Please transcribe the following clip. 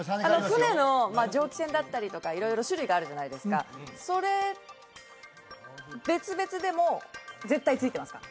船のまあ蒸気船だったりとか色々種類があるじゃないですかそれ別々でも絶対付いてますか？